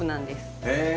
へえ。